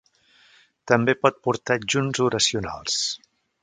També pot portar adjunts oracionals.